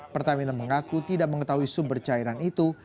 pertamina mengaku tidak mengetahui sumber cairan itu